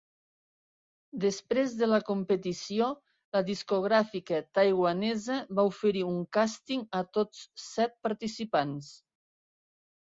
Després de la competició, la discogràfica taiwanesa va oferir un càsting a tots set participants.